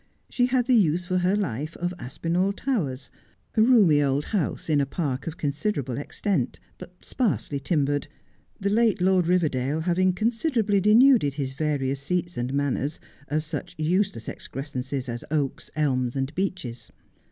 She had the use for her life of Aspinall Towers, a roomy old house in a park of considerable extent, but sparsely timbered, the late Lord Biverdale having considerably denuded his various seats and manors of such useless excrescences as oaks, elms, and beeches.